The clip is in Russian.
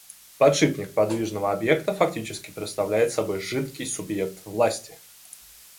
Подшипник подвижного объекта фактически представляет собой жидкий субъект власти.